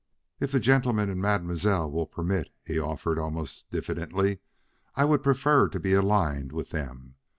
"If the gentlemen and Mademoiselle will permit," he offered almost diffidently, "I would prefer to be aligned with them.